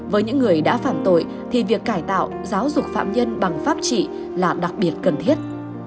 với những người đã phạm tội thì việc cải tạo giáo dục phạm nhân bằng pháp trị là đặc biệt cần thiết